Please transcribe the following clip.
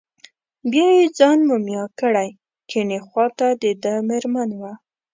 بیا یې ځان مومیا کړی، کیڼې خواته دده مېرمن وه.